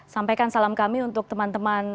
sampaikan salam kami untuk teman teman